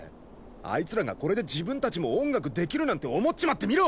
あいつらがこれで自分たちも音楽できるなんて思っちまってみろ！